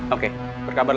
oke berkabar lah